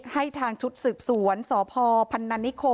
ให้ทางชุดสืบสวนสพพนค